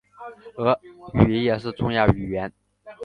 俄语也是重要语言。